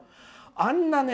あんなね